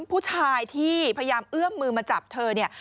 ผู้ชายที่พยายามเอื้อมมือมาจับเธอเนี่ย